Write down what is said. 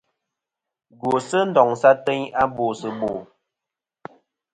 Gwosɨ ndoŋsɨ ateyn a bòsɨ bò.